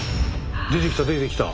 出てきた出てきた！